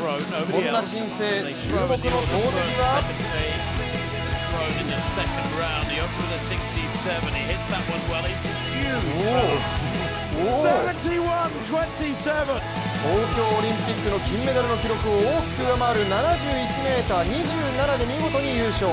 そんな新星、注目の投てきは東京オリンピックの金メダルの記録を大きく上回る７１ｍ２７で見事に優勝。